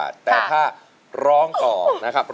สวัสดีครับ